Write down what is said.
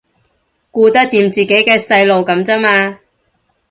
顧得掂自己嘅細路噉咋嘛